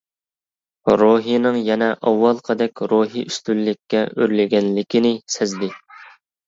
روھىنىڭ يەنە ئاۋۋالقىدەك روھىي ئۈستۈنلۈككە ئۆرلىگەنلىكىنى سەزدى.